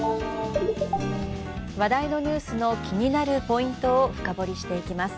話題のニュースの、気になるポイントを深掘りしていきます。